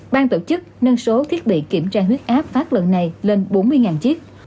ban tổ chức nâng số thiết bị kiểm tra huyết áp phát lần này lên bốn mươi chiếc